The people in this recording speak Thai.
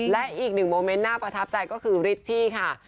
และอีกหนึ่งโมเมนต์น่าประทับใจก็คือริชชี่ค่ะ